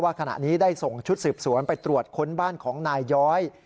ขณะนี้ได้ส่งชุดสืบสวนไปตรวจค้นบ้านของนายย้อย